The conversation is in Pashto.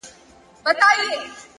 د نورو اورېدل پوهه زیاتوي.